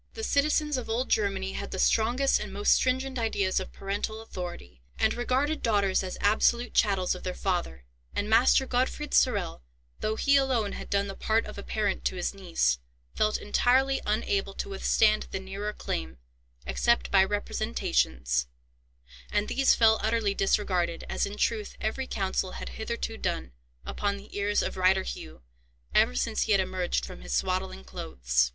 The citizens of old Germany had the strongest and most stringent ideas of parental authority, and regarded daughters as absolute chattels of their father; and Master Gottfried Sorel, though he alone had done the part of a parent to his niece, felt entirely unable to withstand the nearer claim, except by representations; and these fell utterly disregarded, as in truth every counsel had hitherto done, upon the ears of Reiter Hugh, ever since he had emerged from his swaddling clothes.